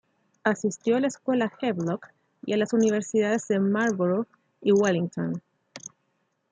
Asistió a la Escuela Havelock, y a las Universidades de Marlborough, y Wellington.